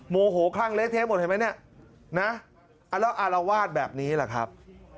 โมโหคลั่งเละเทะหมดเห็นไหมเนี่ยนะแล้วอารวาสแบบนี้แหละครับ